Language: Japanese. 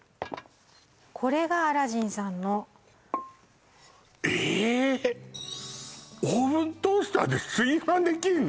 これがアラジンさんのえっオーブントースターで炊飯できんの？